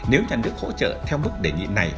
nếu nhà nước hỗ trợ theo mức đề nghị này